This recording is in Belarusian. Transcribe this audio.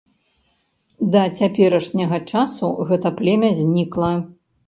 Да цяперашняга часу гэта племя знікла.